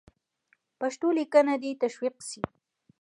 پښتو لیکنه دې تشویق سي.